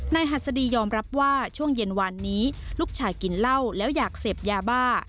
หัสดียอมรับว่าช่วงเย็นวานนี้ลูกชายกินเหล้าแล้วอยากเสพยาบ้า